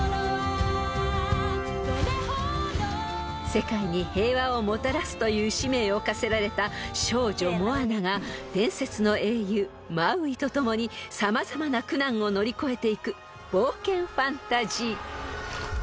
［世界に平和をもたらすという使命を課せられた少女モアナが伝説の英雄マウイと共に様々な苦難を乗り越えていく冒険ファンタジー］